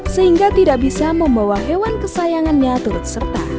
sehingga tidak bisa membawa hewan kesayangannya turut serta